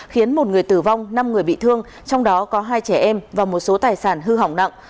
khiến một người tử vong năm người bị thương trong đó có hai trẻ em và một số tài sản hư hỏng nặng